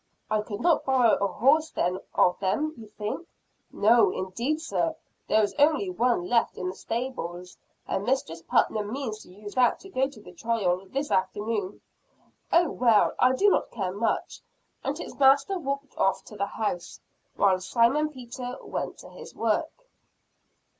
"I could not borrow a horse, then, of them, you think?" "No, indeed, sir. There is only one left in the stable; and Mistress Putnam means to use that to go to the trial this afternoon." "Oh, well, I do not care much;" and his master walked off to the house, while Simon Peter went to his work.